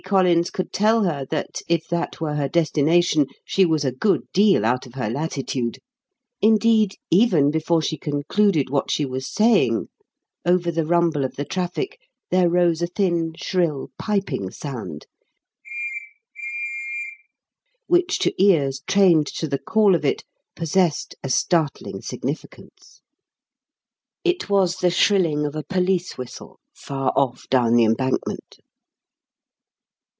Collins could tell her that if that were her destination, she was a good deal out of her latitude; indeed, even before she concluded what she was saying, over the rumble of the traffic there rose a thin, shrill piping sound, which to ears trained to the call of it possessed a startling significance. It was the shrilling of a police whistle, far off down the Embankment.